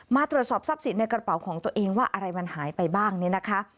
มาตรวจสอบทรัพย์สินในกระเป๋าของตัวเองว่าอะไรมันหายไปบ้างเนี่ยนะคะ